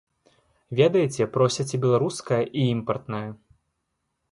Ведаеце, просяць і беларускае, і імпартнае.